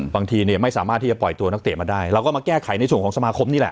บางทีเนี่ยไม่สามารถที่จะปล่อยตัวนักเตะมาได้เราก็มาแก้ไขในส่วนของสมาคมนี่แหละ